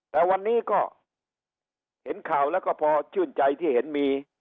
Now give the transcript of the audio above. แต่วันนี้ก็เห็นข่าวแล้วก็พอชื่นใจที่เห็นมี